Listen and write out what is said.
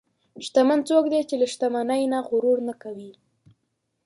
شتمن څوک دی چې له شتمنۍ نه غرور نه کوي.